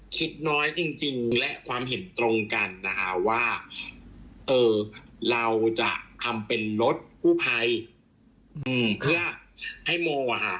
คิดน้อยจริงและความเห็นตรงกันนะคะว่าเออเราจะทำเป็นรถกู้ภัยเพื่อให้โมอ่ะค่ะ